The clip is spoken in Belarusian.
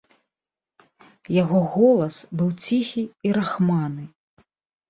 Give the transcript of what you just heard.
Яго голас быў ціхі і рахманы.